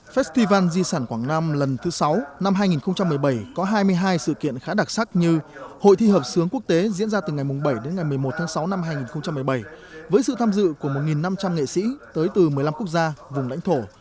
festival di sản quảng nam lần thứ sáu năm hai nghìn một mươi bảy có hai mươi hai sự kiện khá đặc sắc như hội thi hợp sướng quốc tế diễn ra từ ngày bảy đến ngày một mươi một tháng sáu năm hai nghìn một mươi bảy với sự tham dự của một năm trăm linh nghệ sĩ tới từ một mươi năm quốc gia vùng lãnh thổ